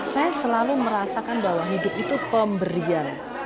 saya selalu merasakan bahwa hidup itu pemberian